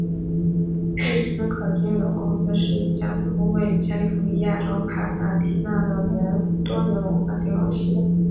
魏斯可金融公司是一家总部位于加尼福尼亚州帕萨迪纳的多元化金融企业。